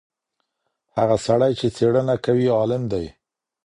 هغه سړی چي څېړنه کوي عالم دی.